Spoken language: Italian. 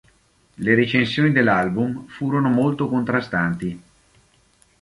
Le recensioni dell'album furono molto contrastanti.